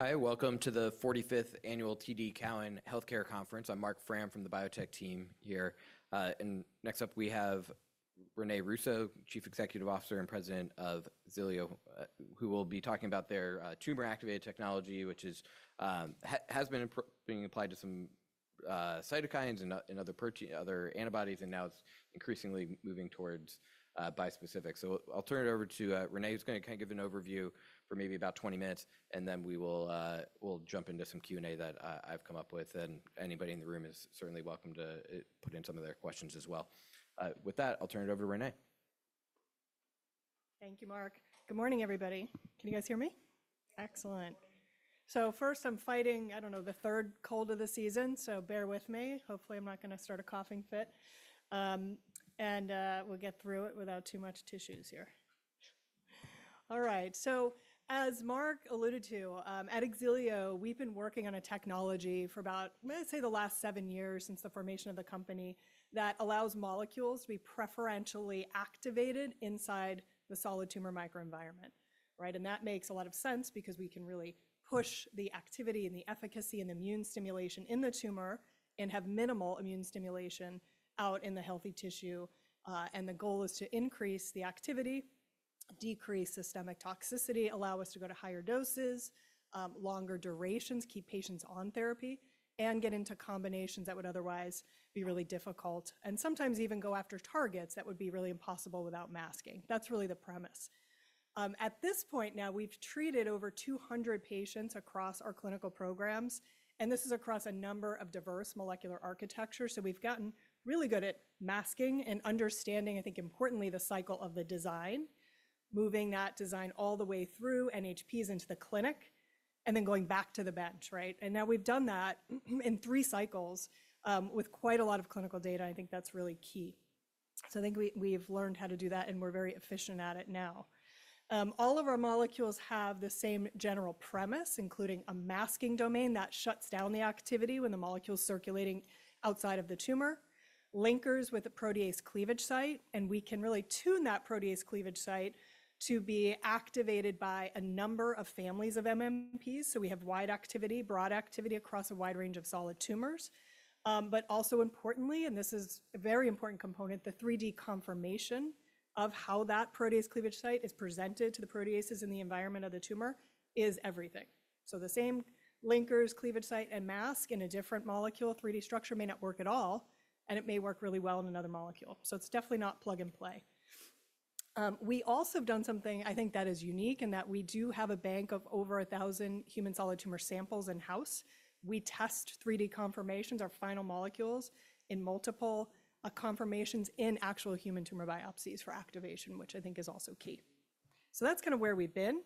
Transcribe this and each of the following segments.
Hi, welcome to the 45th Annual TD Cowen Healthcare Conference. I'm Marc Frahm from the biotech team here. Next up we have René Russo, Chief Executive Officer and President of Xilio, who will be talking about their tumor-activated technology, which has been being applied to some cytokines and other antibodies, and now it's increasingly moving towards bispecific. I'll turn it over to René. He's going to kind of give an overview for maybe about 20 minutes, and then we will jump into some Q&A that I've come up with. Anybody in the room is certainly welcome to put in some of their questions as well. With that, I'll turn it over to René. Thank you, Marc. Good morning, everybody. Can you guys hear me? Excellent. First, I'm fighting, I don't know, the third cold of the season, so bear with me. Hopefully, I'm not going to start a coughing fit. We'll get through it without too much tissues here. All right. As Marc alluded to, at Xilio, we've been working on a technology for about, I'm going to say, the last seven years since the formation of the company that allows molecules to be preferentially activated inside the solid tumor microenvironment. That makes a lot of sense because we can really push the activity and the efficacy and immune stimulation in the tumor and have minimal immune stimulation out in the healthy tissue. The goal is to increase the activity, decrease systemic toxicity, allow us to go to higher doses, longer durations, keep patients on therapy, and get into combinations that would otherwise be really difficult, and sometimes even go after targets that would be really impossible without masking. That's really the premise. At this point now, we've treated over 200 patients across our clinical programs, and this is across a number of diverse molecular architectures. We've gotten really good at masking and understanding, I think, importantly, the cycle of the design, moving that design all the way through NHPs into the clinic, and then going back to the bench. Now we've done that in three cycles with quite a lot of clinical data. I think that's really key. I think we've learned how to do that, and we're very efficient at it now. All of our molecules have the same general premise, including a masking domain that shuts down the activity when the molecule's circulating outside of the tumor, linkers with a protease cleavage site, and we can really tune that protease cleavage site to be activated by a number of families of MMPs. We have wide activity, broad activity across a wide range of solid tumors. Also importantly, and this is a very important component, the 3D conformation of how that protease cleavage site is presented to the proteases in the environment of the tumor is everything. The same linkers, cleavage site, and mask in a different molecule, 3D structure may not work at all, and it may work really well in another molecule. It is definitely not plug and play. We also have done something I think that is unique in that we do have a bank of over 1,000 human solid tumor samples in-house. We test 3D conformations, our final molecules, in multiple conformations in actual human tumor biopsies for activation, which I think is also key. That is kind of where we've been.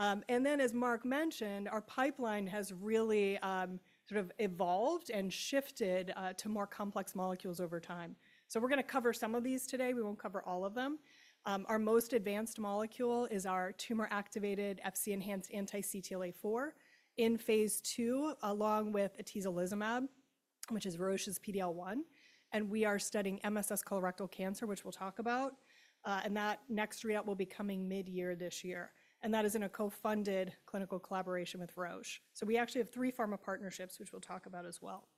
As Marc mentioned, our pipeline has really sort of evolved and shifted to more complex molecules over time. We are going to cover some of these today. We will not cover all of them. Our most advanced molecule is our tumor-activated Fc-enhanced anti-CTLA-4 in Phase II, along with atezolizumab, which is Roche's PD-L1. We are studying MSS colorectal cancer, which we will talk about. That next readout will be coming mid-year this year. That is in a co-funded clinical collaboration with Roche. We actually have three pharma partnerships, which we'll talk about as well.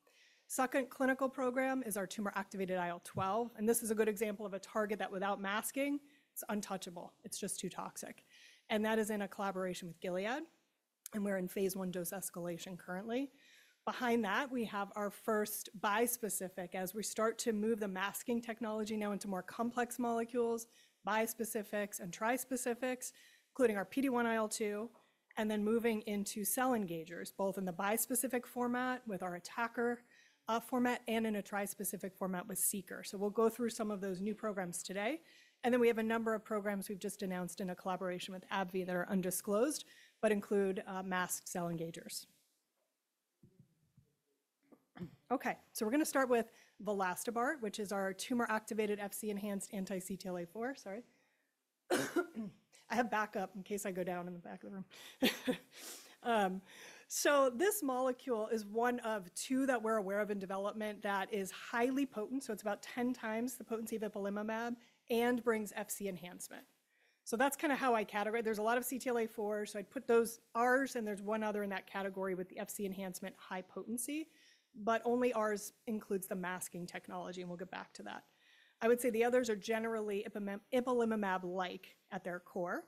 Second clinical program is our tumor-activated IL-12. And this is a good example of a target that, without masking, it's untouchable. It's just too toxic. That is in a collaboration with Gilead. We're in Phase I dose escalation currently. Behind that, we have our first bispecific as we start to move the masking technology now into more complex molecules, bispecifics and trispecifics, including our PD-1/IL-2, and then moving into cell engagers, both in the bispecific format with our ATACR format and in a trispecific format with SEECR. We'll go through some of those new programs today. We have a number of programs we've just announced in a collaboration with AbbVie that are undisclosed but include masked cell engagers. Okay, so we're going to start with vilastobart, which is our tumor-activated Fc-enhanced anti-CTLA-4. Sorry. I have backup in case I go down in the back of the room. So this molecule is one of two that we're aware of in development that is highly potent. So it's about 10 times the potency of ipilimumab and brings Fc enhancement. That's kind of how I categorize it. There's a lot of CTLA-4, so I'd put those ours, and there's one other in that category with the Fc enhancement high potency. Only ours includes the masking technology, and we'll get back to that. I would say the others are generally ipilimumab-like at their core.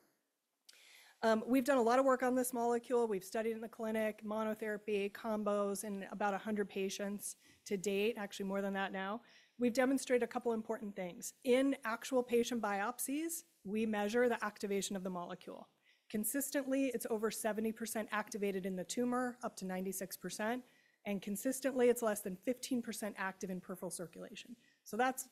We've done a lot of work on this molecule. We've studied it in the clinic, monotherapy, combos, and about 100 patients to date, actually more than that now. We've demonstrated a couple of important things. In actual patient biopsies, we measure the activation of the molecule. Consistently, it's over 70% activated in the tumor, up to 96%. Consistently, it's less than 15% active in peripheral circulation. That's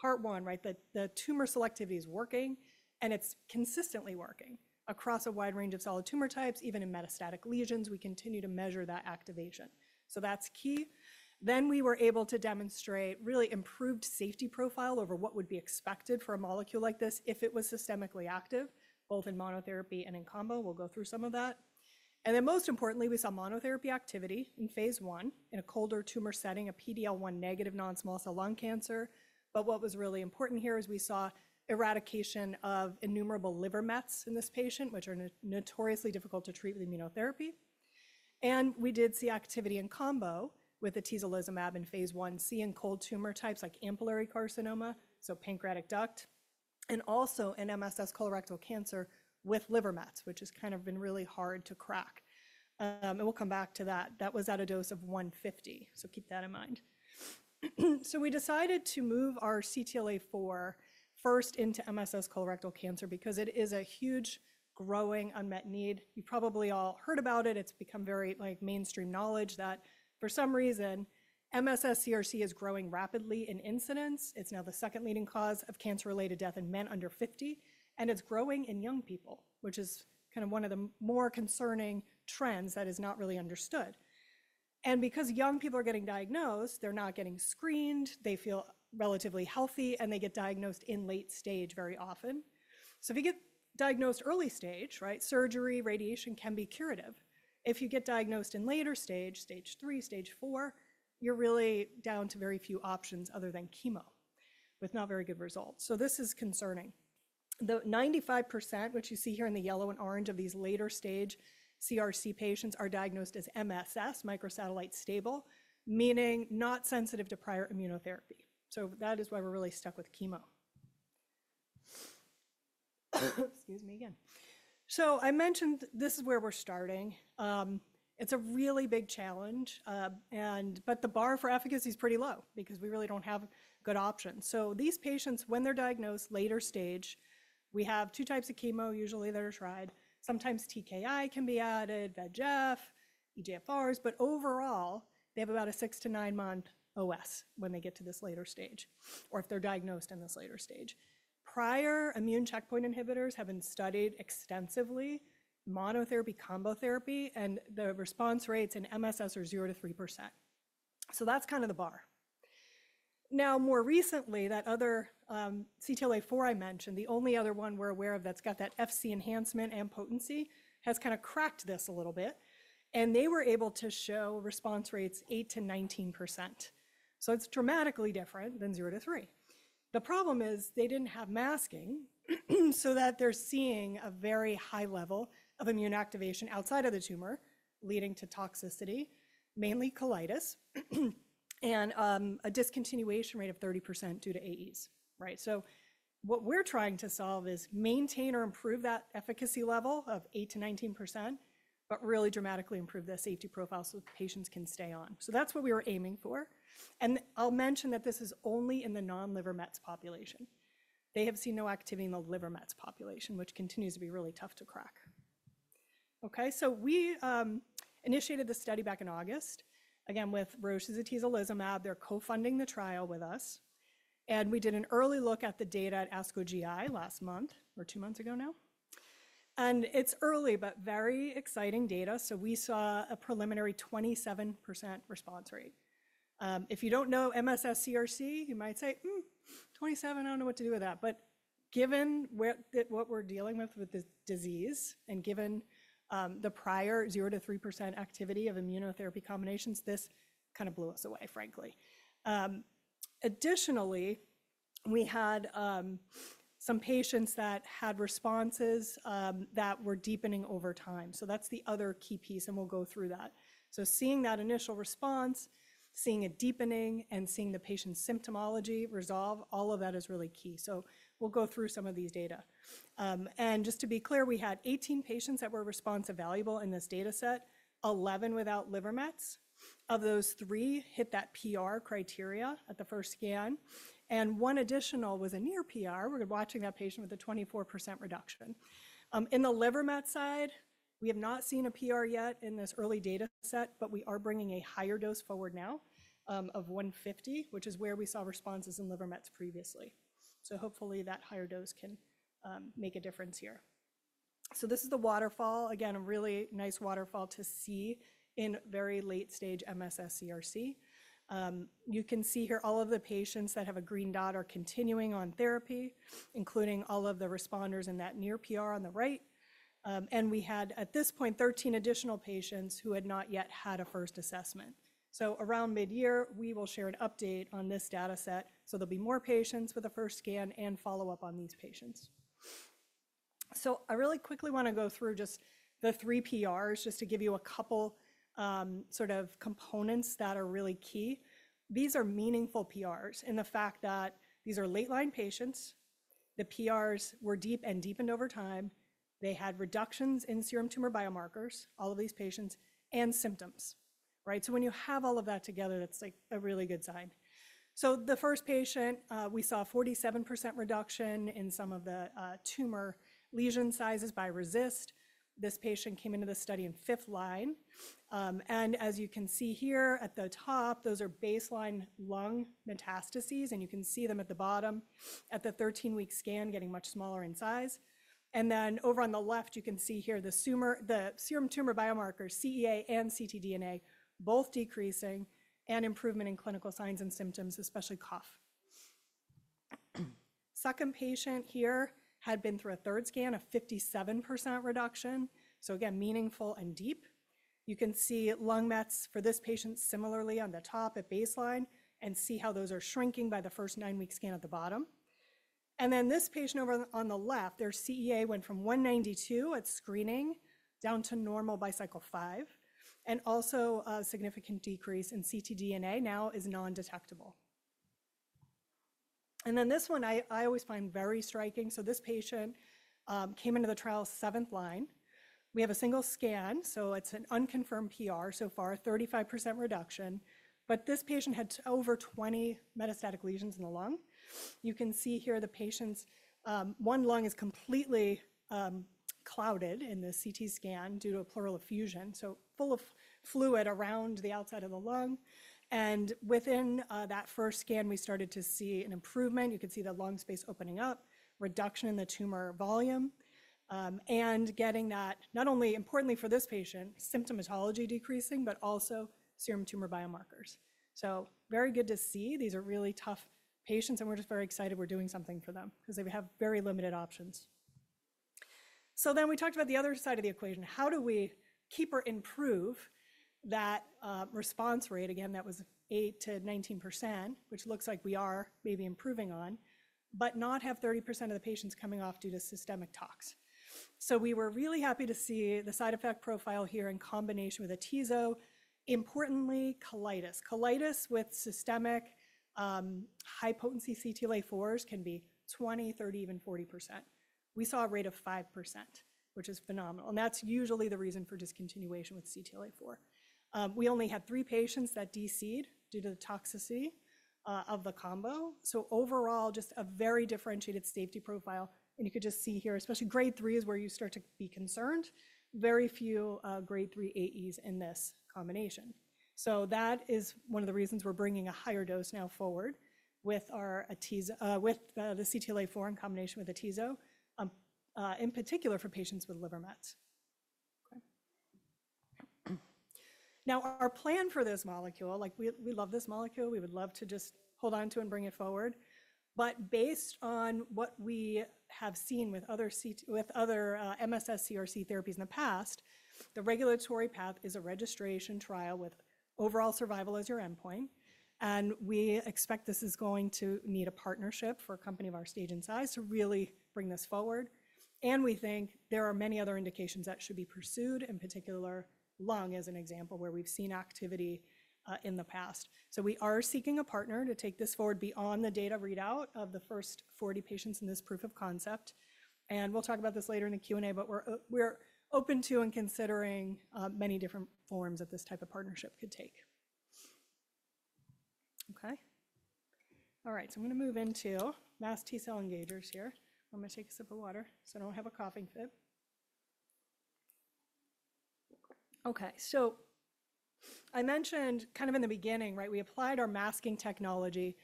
part one, right? The tumor selectivity is working, and it's consistently working across a wide range of solid tumor types, even in metastatic lesions. We continue to measure that activation. That's key. We were able to demonstrate really improved safety profile over what would be expected for a molecule like this if it was systemically active, both in monotherapy and in combo. We'll go through some of that. Most importantly, we saw monotherapy activity in Phase I in a colder tumor setting, a PD-L1 negative non-small cell lung cancer. What was really important here is we saw eradication of innumerable liver mets in this patient, which are notoriously difficult to treat with immunotherapy. We did see activity in combo with atezolizumab in Phase I-C in cold tumor types like ampullary carcinoma, so pancreatic duct, and also in MSS colorectal cancer with liver mets, which has kind of been really hard to crack. We'll come back to that. That was at a dose of 150, so keep that in mind. We decided to move our CTLA-4 first into MSS colorectal cancer because it is a huge growing unmet need. You probably all heard about it. It's become very mainstream knowledge that for some reason, MSS CRC is growing rapidly in incidence. It's now the second leading cause of cancer-related death in men under 50. It's growing in young people, which is kind of one of the more concerning trends that is not really understood. Because young people are getting diagnosed, they're not getting screened. They feel relatively healthy, and they get diagnosed in late stage very often. If you get diagnosed early stage, surgery, radiation can be curative. If you get diagnosed in later stage, stage three, stage four, you're really down to very few options other than chemo with not very good results. This is concerning. The 95%, which you see here in the yellow and orange of these later stage CRC patients, are diagnosed as MSS, microsatellite stable, meaning not sensitive to prior immunotherapy. That is why we're really stuck with chemo. Excuse me again. I mentioned this is where we're starting. It's a really big challenge, but the bar for efficacy is pretty low because we really don't have good options. These patients, when they're diagnosed later stage, we have two types of chemo usually that are tried. Sometimes TKI can be added, VEGF, EGFRs, but overall, they have about a six- to nine-month OS when they get to this later stage or if they're diagnosed in this later stage. Prior immune checkpoint inhibitors have been studied extensively, monotherapy, combo therapy, and the response rates in MSS are 0%-3%. That's kind of the bar. More recently, that other CTLA-4 I mentioned, the only other one we're aware of that's got that FC enhancement and potency, has kind of cracked this a little bit. They were able to show response rates 8%-19%. It's dramatically different than 0%-3%. The problem is they didn't have masking so that they're seeing a very high level of immune activation outside of the tumor leading to toxicity, mainly colitis, and a discontinuation rate of 30% due to AEs. What we're trying to solve is maintain or improve that efficacy level of 8%-19%, but really dramatically improve the safety profile so patients can stay on. That's what we were aiming for. I'll mention that this is only in the non-liver mets population. They have seen no activity in the liver mets population, which continues to be really tough to crack. We initiated the study back in August, again, with Roche's atezolizumab. They're co-funding the trial with us. We did an early look at the data at ASCO GI last month or two months ago now. It's early, but very exciting data. We saw a preliminary 27% response rate. If you do not know MSS CRC, you might say, "27, I do not know what to do with that." Given what we are dealing with with the disease and given the prior 0%-3% activity of immunotherapy combinations, this kind of blew us away, frankly. Additionally, we had some patients that had responses that were deepening over time. That is the other key piece, and we will go through that. Seeing that initial response, seeing a deepening, and seeing the patient's symptomology resolve, all of that is really key. We will go through some of these data. Just to be clear, we had 18 patients that were response evaluable in this data set, 11 without liver mets. Of those, three hit that PR criteria at the first scan. One additional was a near PR. We're watching that patient with a 24% reduction. In the liver met side, we have not seen a PR yet in this early data set, but we are bringing a higher dose forward now of 150 mg, which is where we saw responses in liver mets previously. Hopefully, that higher dose can make a difference here. This is the waterfall. Again, a really nice waterfall to see in very late-stage MSS CRC. You can see here all of the patients that have a green dot are continuing on therapy, including all of the responders in that near PR on the right. We had, at this point, 13 additional patients who had not yet had a first assessment. Around mid-year, we will share an update on this data set. There will be more patients with a first scan and follow-up on these patients. I really quickly want to go through just the three PRs just to give you a couple sort of components that are really key. These are meaningful PRs in the fact that these are late-line patients. The PRs were deep and deepened over time. They had reductions in serum tumor biomarkers, all of these patients, and symptoms. When you have all of that together, that's like a really good sign. The first patient, we saw a 47% reduction in some of the tumor lesion sizes by RECIST. This patient came into the study in fifth line. As you can see here at the top, those are baseline lung metastases, and you can see them at the bottom at the 13-week scan getting much smaller in size. Over on the left, you can see here the serum tumor biomarker, CEA and ctDNA, both decreasing and improvement in clinical signs and symptoms, especially cough. Second patient here had been through a third scan, a 57% reduction. Again, meaningful and deep. You can see lung mets for this patient similarly on the top at baseline and see how those are shrinking by the first nine-week scan at the bottom. This patient over on the left, their CEA went from 192 at screening down to normal by cycle five. Also a significant decrease in ctDNA now is nondetectable. This one I always find very striking. This patient came into the trial seventh line. We have a single scan, so it's an unconfirmed PR so far, a 35% reduction. This patient had over 20 metastatic lesions in the lung. You can see here the patient's one lung is completely clouded in the CT scan due to a pleural effusion, so full of fluid around the outside of the lung. Within that first scan, we started to see an improvement. You could see the lung space opening up, reduction in the tumor volume, and getting that not only importantly for this patient, symptomatology decreasing, but also serum tumor biomarkers. Very good to see. These are really tough patients, and we're just very excited we're doing something for them because they have very limited options. We talked about the other side of the equation. How do we keep or improve that response rate? Again, that was 8%-19%, which looks like we are maybe improving on, but not have 30% of the patients coming off due to systemic tox. We were really happy to see the side effect profile here in combination with atezolizumab. Importantly, colitis. Colitis with systemic high-potency CTLA-4s can be 20%, 30%, even 40%. We saw a rate of 5%, which is phenomenal. That is usually the reason for discontinuation with CTLA-4. We only had three patients that DC'd due to the toxicity of the combo. Overall, just a very differentiated safety profile. You could just see here, especially grade three is where you start to be concerned. Very few grade three AEs in this combination. That is one of the reasons we're bringing a higher dose now forward with the CTLA-4 in combination with atezolizumab, in particular for patients with liver mets. Our plan for this molecule, we love this molecule. We would love to just hold on to and bring it forward. Based on what we have seen with other MSS CRC therapies in the past, the regulatory path is a registration trial with overall survival as your endpoint. We expect this is going to need a partnership for a company of our stage and size to really bring this forward. We think there are many other indications that should be pursued, in particular lung as an example where we've seen activity in the past. We are seeking a partner to take this forward beyond the data readout of the first 40 patients in this proof of concept. We'll talk about this later in the Q&A, but we're open to and considering many different forms that this type of partnership could take. Okay. All right. I'm going to move into T-cell engagers here. I'm going to take a sip of water so I don't have a coughing fit. Okay. I mentioned kind of in the beginning, we applied our masking technology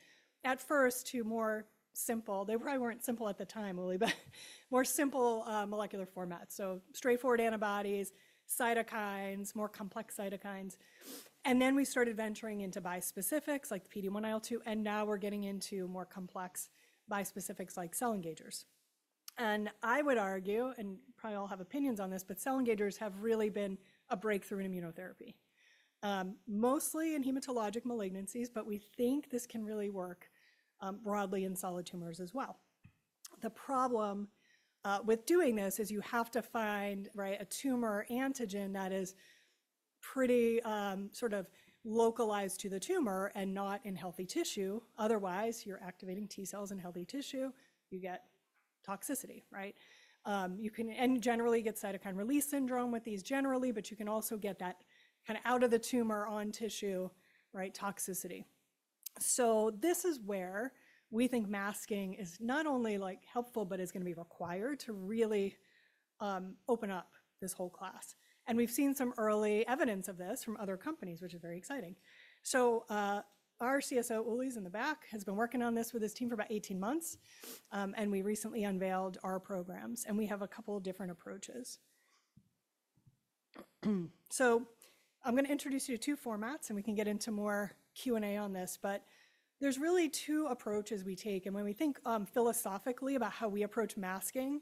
at first to more simple—they probably weren't simple at the time, albeit, more simple molecular formats. Straightforward antibodies, cytokines, more complex cytokines. Then we started venturing into bispecifics like PD-1/IL-2. Now we're getting into more complex bispecifics like cell engagers. I would argue, and probably all have opinions on this, but cell engagers have really been a breakthrough in immunotherapy, mostly in hematologic malignancies, but we think this can really work broadly in solid tumors as well. The problem with doing this is you have to find a tumor antigen that is pretty sort of localized to the tumor and not in healthy tissue. Otherwise, you're activating T-cells in healthy tissue. You get toxicity. Generally, you get cytokine release syndrome with these generally, but you can also get that kind of out-of-the-tumor-on-tissue toxicity. This is where we think masking is not only helpful, but is going to be required to really open up this whole class. We have seen some early evidence of this from other companies, which is very exciting. Our CSO, Uli, is in the back, has been working on this with his team for about 18 months. We recently unveiled our programs. We have a couple of different approaches. I am going to introduce you to two formats, and we can get into more Q&A on this. There are really two approaches we take. When we think philosophically about how we approach masking,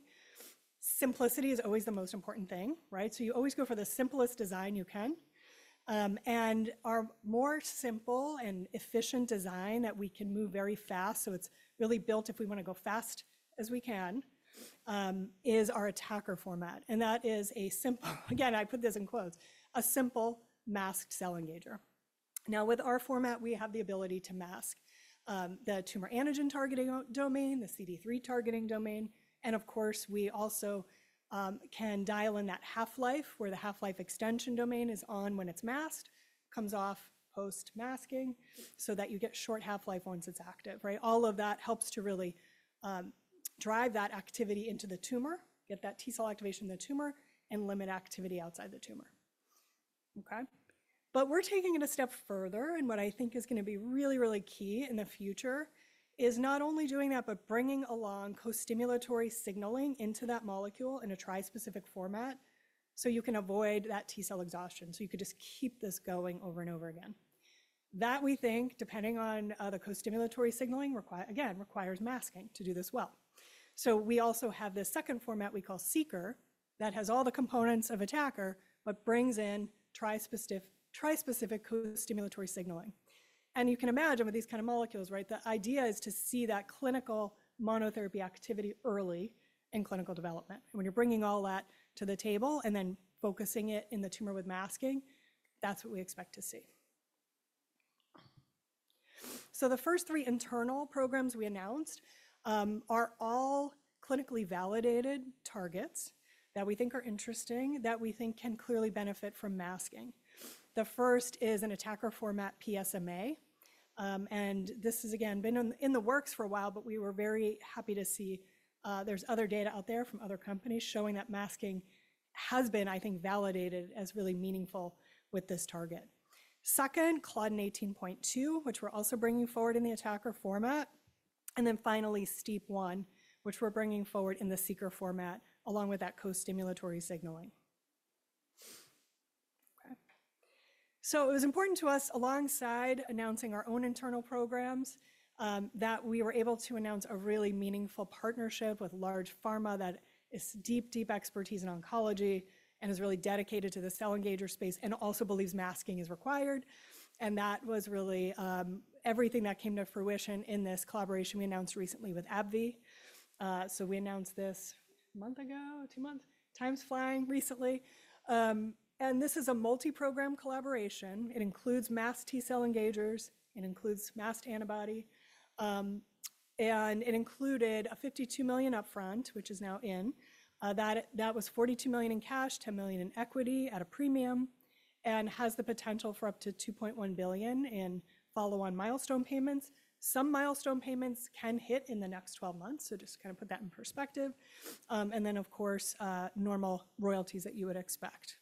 simplicity is always the most important thing. You always go for the simplest design you can. Our more simple and efficient design that we can move very fast, so it's really built if we want to go fast as we can, is our ATACR format. That is a simple—I put this in quotes—a simple masked cell engager. Now, with our format, we have the ability to mask the tumor antigen targeting domain, the CD3 targeting domain. Of course, we also can dial in that half-life where the half-life extension domain is on when it's masked, comes off post-masking so that you get short half-life once it's active. All of that helps to really drive that activity into the tumor, get that T-cell activation in the tumor, and limit activity outside the tumor. We are taking it a step further. What I think is going to be really, really key in the future is not only doing that, but bringing along co-stimulatory signaling into that molecule in a trispecific format so you can avoid that T-cell exhaustion. You could just keep this going over and over again. That we think, depending on the co-stimulatory signaling, again, requires masking to do this well. We also have this second format we call SEECR that has all the components of ATACR but brings in trispecific co-stimulatory signaling. You can imagine with these kind of molecules, the idea is to see that clinical monotherapy activity early in clinical development. When you're bringing all that to the table and then focusing it in the tumor with masking, that's what we expect to see. The first three internal programs we announced are all clinically validated targets that we think are interesting, that we think can clearly benefit from masking. The first is an ATACR format, PSMA. This has, again, been in the works for a while, but we were very happy to see there's other data out there from other companies showing that masking has been, I think, validated as really meaningful with this target. Second, CLDN18.2, which we're also bringing forward in the ATACR format. Then finally, STEAP1, which we're bringing forward in the SEECR format along with that co-stimulatory signaling. It was important to us, alongside announcing our own internal programs, that we were able to announce a really meaningful partnership with large pharma that has deep, deep expertise in oncology and is really dedicated to the cell engager space and also believes masking is required. That was really everything that came to fruition in this collaboration we announced recently with AbbVie. We announced this a month ago, two months. Time's flying recently. This is a multi-program collaboration. It includes masked T-cell engagers. it includes masked antibody. It included a $52 million upfront, which is now in. That was $42 million in cash, $10 million in equity at a premium, and has the potential for up to $2.1 billion in follow-on milestone payments. Some milestone payments can hit in the next 12 months. Just kind of put that in perspective. Of course, normal royalties that you would expect.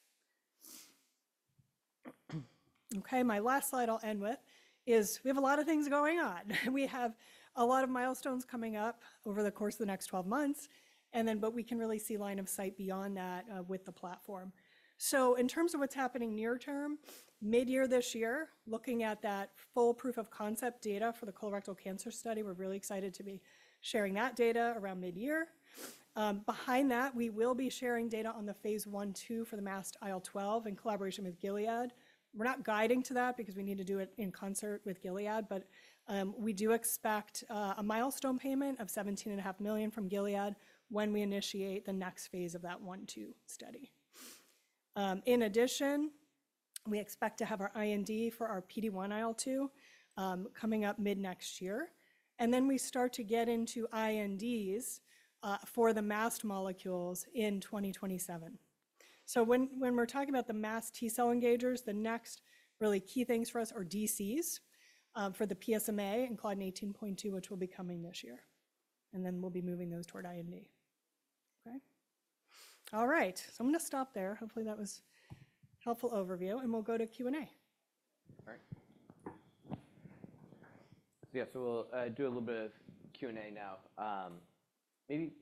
Okay. My last slide I'll end with is we have a lot of things going on. We have a lot of milestones coming up over the course of the next 12 months. We can really see line of sight beyond that with the platform. In terms of what's happening near term, mid-year this year, looking at that full proof of concept data for the colorectal cancer study, we're really excited to be sharing that data around mid-year. Behind that, we will be sharing data on the Phase I/II for the masked IL-12 in collaboration with Gilead. We're not guiding to that because we need to do it in concert with Gilead, but we do expect a milestone payment of $17.5 million from Gilead when we initiate the next Phase of that I/II study. In addition, we expect to have our IND for our PD-1/IL-2 coming up mid-next year. We start to get into INDs for the masked molecules in 2027. When we're talking about the T-cell engagers, the next really key things for us are DCs for the PSMA and CLDN18.2, which will be coming this year. Then we'll be moving those toward IND. All right. I'm going to stop there. Hopefully, that was a helpful overview. We'll go to Q&A. All right. Yeah. We'll do a little bit of Q&A now. Maybe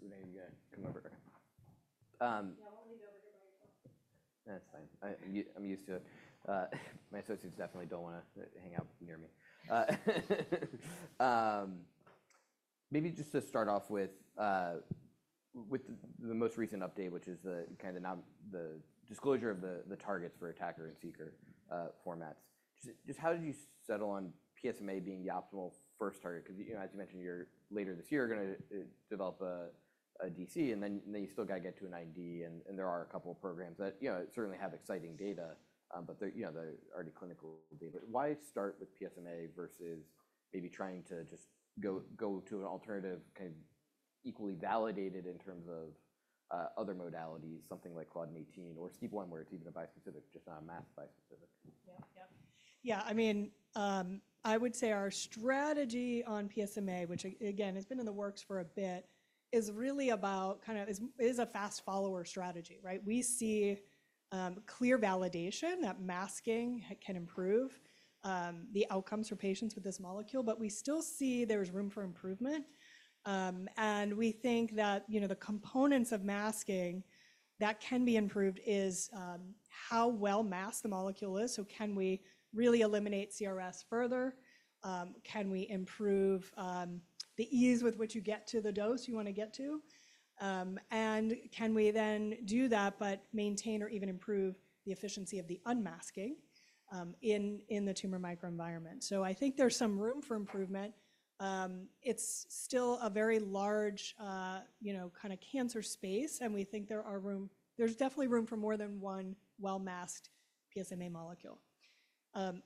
you can come over here. Yeah. I won't need to over here by yourself. That's fine. I'm used to it. My associates definitely don't want to hang out near me. Maybe just to start off with the most recent update, which is kind of the disclosure of the targets for SEECR and ATACR formats. Just how did you settle on PSMA being the optimal first target? Because as you mentioned, later this year, you're going to develop a DC, and then you still got to get to an IND. And there are a couple of programs that certainly have exciting data, but the already clinical data. Why start with PSMA versus maybe trying to just go to an alternative kind of equally validated in terms of other modalities, something like CLDN18.2 or STEAP1, where it's even a bispecific, just not a masked bispecific? Yeah. Yeah. I mean, I would say our strategy on PSMA, which again, has been in the works for a bit, is really about kind of is a fast-follower strategy. We see clear validation that masking can improve the outcomes for patients with this molecule, but we still see there's room for improvement. We think that the components of masking that can be improved is how well masked the molecule is. Can we really eliminate CRS further? Can we improve the ease with which you get to the dose you want to get to? Can we then do that but maintain or even improve the efficiency of the unmasking in the tumor microenvironment? I think there's some room for improvement. It's still a very large kind of cancer space, and we think there is definitely room for more than one well-masked PSMA molecule.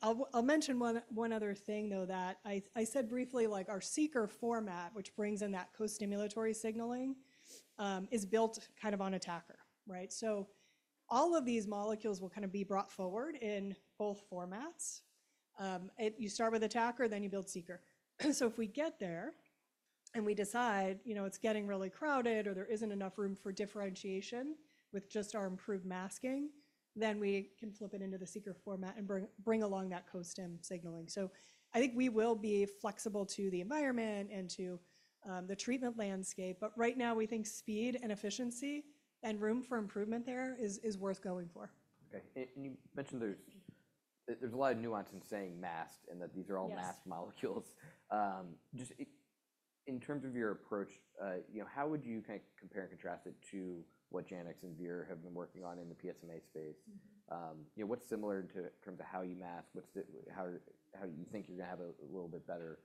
I'll mention one other thing, though, that I said briefly, like our SEECR format, which brings in that co-stimulatory signaling, is built kind of on ATACR. All of these molecules will kind of be brought forward in both formats. You start with ATACR, then you build SEECR. If we get there and we decide it's getting really crowded or there isn't enough room for differentiation with just our improved masking, then we can flip it into the SEECR format and bring along that co-stim signaling. I think we will be flexible to the environment and to the treatment landscape. Right now, we think speed and efficiency and room for improvement there is worth going for. Okay. You mentioned there's a lot of nuance in saying masked and that these are all masked molecules. Just in terms of your approach, how would you kind of compare and contrast it to what Janux and Vir have been working on in the PSMA space? What's similar in terms of how you mask? How do you think you're going to have a little bit better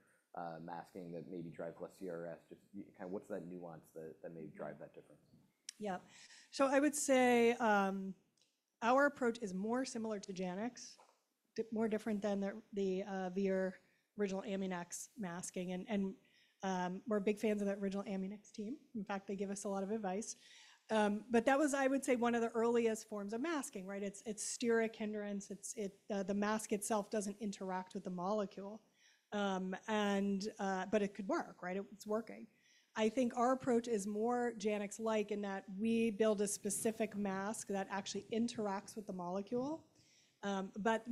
masking that maybe drives less CRS? Just kind of what's that nuance that may drive that difference? Yeah. I would say our approach is more similar to Janux, more different than the Vir original Amunix masking. We're big fans of that original Amunix team. In fact, they give us a lot of advice. That was, I would say, one of the earliest forms of masking. It's steric hindrance. The mask itself doesn't interact with the molecule, but it could work. It's working. I think our approach is more Janux-like in that we build a specific mask that actually interacts with the molecule.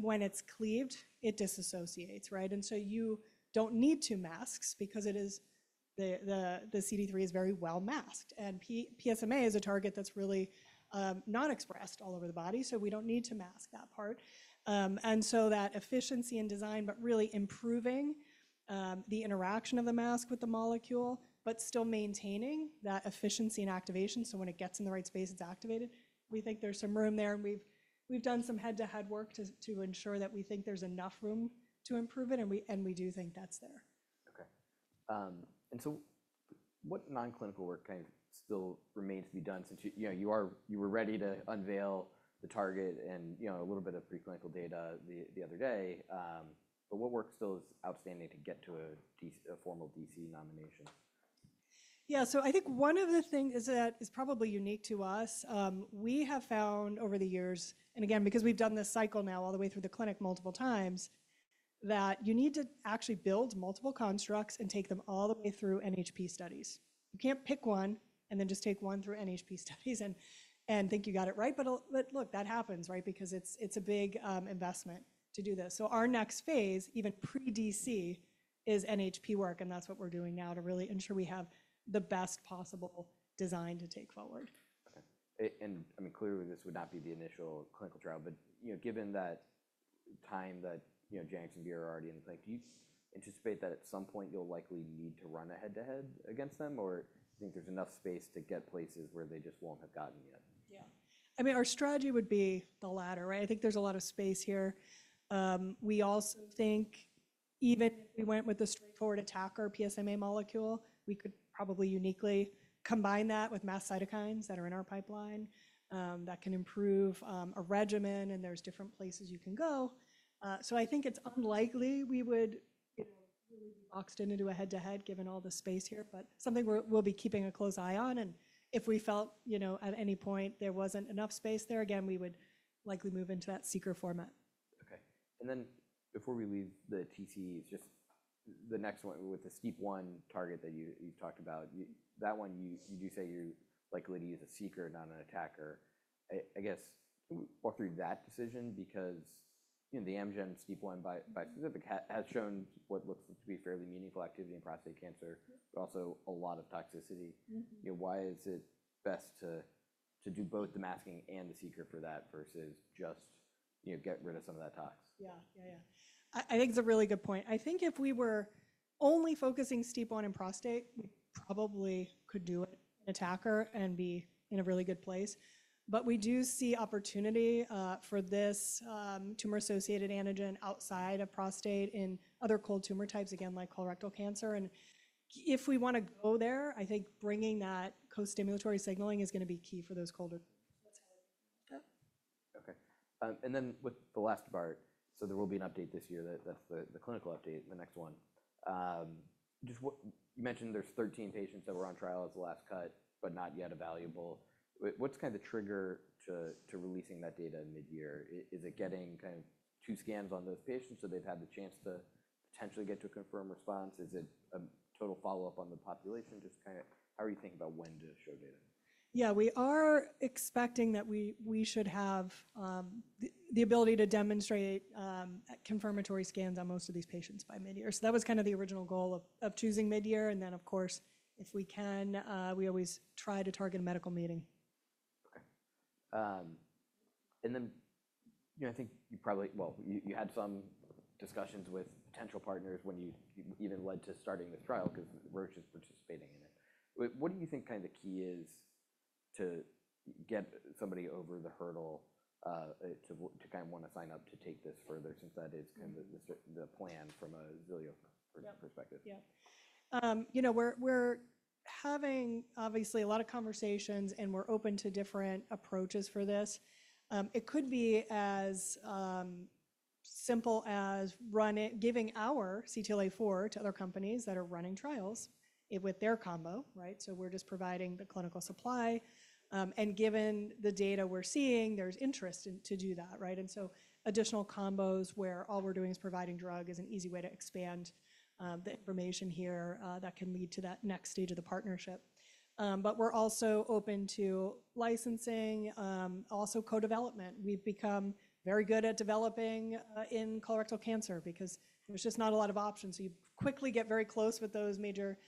When it's cleaved, it disassociates. You don't need two masks because the CD3 is very well masked. PSMA is a target that's really not expressed all over the body, so we don't need to mask that part. That efficiency in design, but really improving the interaction of the mask with the molecule, but still maintaining that efficiency and activation. When it gets in the right space, it's activated. We think there's some room there. We've done some head-to-head work to ensure that we think there's enough room to improve it. We do think that's there. Okay. What non-clinical work kind of still remains to be done since you were ready to unveil the target and a little bit of preclinical data the other day? What work still is outstanding to get to a formal DC nomination? Yeah. I think one of the things that is probably unique to us, we have found over the years, and again, because we've done this cycle now all the way through the clinic multiple times, that you need to actually build multiple constructs and take them all the way through NHP studies. You can't pick one and then just take one through NHP studies and think you got it right. Look, that happens because it's a big investment to do this. Our next phase, even pre-DC, is NHP work. That's what we're doing now to really ensure we have the best possible design to take forward. Okay. I mean, clearly, this would not be the initial clinical trial. Given that Janux and Vir are already in the thing, do you anticipate that at some point you'll likely need to run a head-to-head against them, or do you think there's enough space to get places where they just won't have gotten yet? Yeah. I mean, our strategy would be the latter. I think there's a lot of space here. We also think even if we went with the straightforward ATACR PSMA molecule, we could probably uniquely combine that with masked cytokines that are in our pipeline that can improve a regimen. There's different places you can go. I think it's unlikely we would really be boxed into a head-to-head given all the space here, but something we'll be keeping a close eye on. If we felt at any point there wasn't enough space there, again, we would likely move into that SEECR format. Okay. Before we leave the TC, just the next one with the STEAP1 target that you've talked about, that one, you do say your likelihood is a SEECR, not an ATACR. I guess, walk through that decision because the Amgen STEAP1 bispecific has shown what looks to be fairly meaningful activity in prostate cancer, but also a lot of toxicity. Why is it best to do both the masking and the SEECR for that versus just get rid of some of that tox? Yeah. Yeah. Yeah. I think it's a really good point. I think if we were only focusing STEAP1 in prostate, we probably could do it in ATACR and be in a really good place. We do see opportunity for this tumor-associated antigen outside of prostate in other cold tumor types, again, like colorectal cancer. If we want to go there, I think bringing that co-stimulatory signaling is going to be key for those colder. Okay. With the last part, there will be an update this year. That's the clinical update, the next one. You mentioned there's 13 patients that were on trial as the last cut, but not yet available. What's kind of the trigger to releasing that data mid-year? Is it getting kind of two scans on those patients so they've had the chance to potentially get to a confirmed response? Is it a total follow-up on the population? Just kind of how are you thinking about when to show data? Yeah. We are expecting that we should have the ability to demonstrate confirmatory scans on most of these patients by mid-year. That was kind of the original goal of choosing mid-year. Of course, if we can, we always try to target a medical meeting. Okay. I think you probably, well, you had some discussions with potential partners when you even led to starting the trial because Roche is participating in it. What do you think kind of the key is to get somebody over the hurdle to kind of want to sign up to take this further since that is kind of the plan from a Xilio perspective? Yeah. Yeah. We're having, obviously, a lot of conversations, and we're open to different approaches for this. It could be as simple as giving our CTLA-4 to other companies that are running trials with their combo. We're just providing the clinical supply. Given the data we're seeing, there's interest to do that. Additional combos where all we're doing is providing drug is an easy way to expand the information here that can lead to that next stage of the partnership. We're also open to licensing, also co-development. We've become very good at developing in colorectal cancer because there's just not a lot of options. You quickly get very close with those major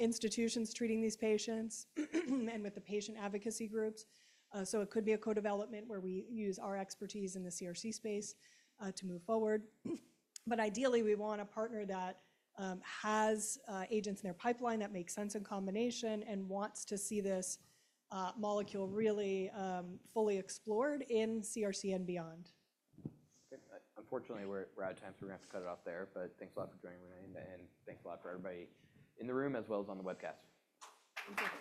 institutions treating these patients and with the patient advocacy groups. It could be a co-development where we use our expertise in the CRC space to move forward. Ideally, we want a partner that has agents in their pipeline that make sense in combination and wants to see this molecule really fully explored in CRC and beyond. Okay. Unfortunately, we're out of time. We are going to have to cut it off there. Thanks a lot for joining, René. Thanks a lot for everybody in the room as well as on the webcast. Thank you.